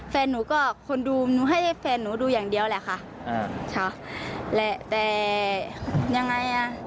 แฟนหนูก็คนดูหนูให้แฟนหนูดูอย่างเดียวแหละค่ะอ่าแหละแต่ยังไงอ่ะ